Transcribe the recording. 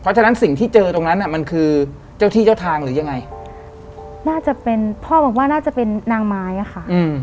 เพราะฉะนั้นสิ่งที่เจอตรงนั้นอ่ะมันคือเจ้าที่เจ้าทางหรือยังไงน่าจะเป็นพ่อบอกว่าน่าจะเป็นนางไม้อะค่ะ